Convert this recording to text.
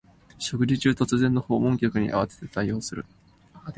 食事中、突然の訪問客に慌てて対応する